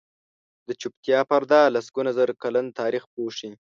د چوپتیا پرده لسګونه زره کلن تاریخ پوښي.